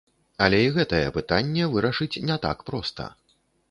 Але і гэтае пытанне вырашыць не так проста.